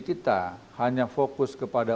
kita hanya fokus kepada